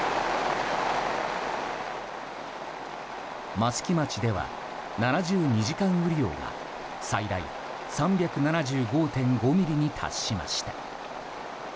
益城町では７２時間雨量が最大３７５．５ミリに達しました。